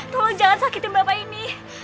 tolong jangan sakitin bapak ini